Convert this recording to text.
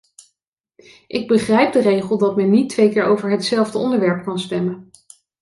Ik begrijp de regel dat men niet twee keer over hetzelfde onderwerp kan stemmen.